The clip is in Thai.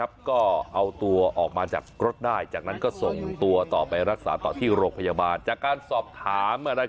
รถเนี่ยเกิดเหตุก่อนถึงวัดคลองเมืองจังหวัดพิศนุโลก